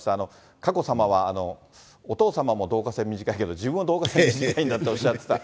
佳子さまはお父様も導火線短いけども、自分も導火線短いんだとおっしゃってた。